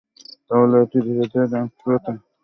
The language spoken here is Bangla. তাহলে এটি ধীরে ধীরে জনপ্রিয়তা পায় এবং মানুষ আস্থা রাখতে পারে।